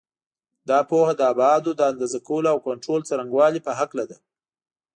دا پوهه د ابعادو د اندازه کولو او کنټرول څرنګوالي په هکله ده.